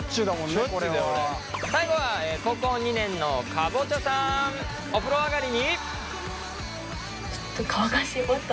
最後は高校２年のかぼちゃさんお風呂上がりに。